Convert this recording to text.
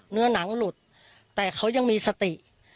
เนื้อหนังหลุดแต่เขายังมีสติ